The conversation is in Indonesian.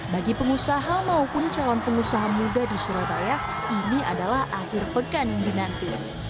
bagi pengusaha maupun calon pengusaha muda di surabaya ini adalah akhir pekan yang dinanti